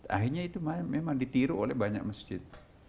akhirnya itu memang ditiru oleh banyak masjid